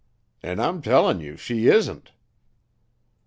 "An' I'm telling ye she isn't."